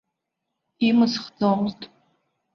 Имысхӡомызт.